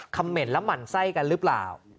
เหม็นและหมั่นไส้กันหรือเปล่า